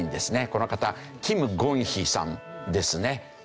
この方キム・ゴンヒさんですね。